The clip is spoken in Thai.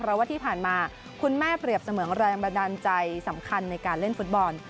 เพราะว่าที่ผ่านมาคุณแม่เปรียบเสมือนแรงบันดาลใจสำคัญในการเล่นฟุตบอล